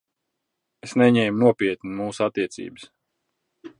Es neņēmu nopietni mūsu attiecības.